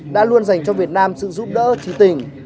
đã luôn dành cho việt nam sự giúp đỡ trí tình